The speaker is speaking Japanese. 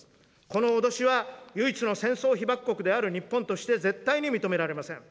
この脅しは、唯一の戦争被爆国である日本として、絶対に認められません。